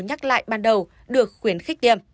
nhắc lại ban đầu được khuyến khích tiêm